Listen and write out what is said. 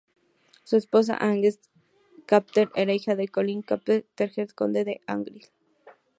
Su esposa, Agnes Campbell era hija de Colin Campbell, tercer Conde de Argyll.